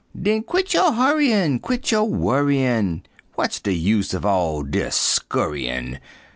Den quit yo' hurryin', Quit yo' worryin'! W'at de use uv all dis scurryin'?